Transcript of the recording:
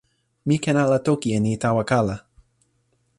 mi ken ala toki e ni tawa kala.